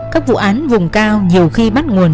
các vụ án vùng cao nhiều khi bắt nguồn